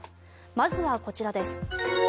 まずはこちらです。